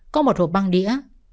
có một hộp băng đĩa